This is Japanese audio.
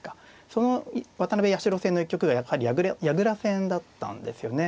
その渡辺八代戦の一局がやはり矢倉戦だったんですよね。